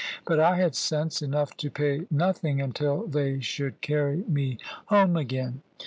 But I had sense enough to pay nothing until they should carry me home again.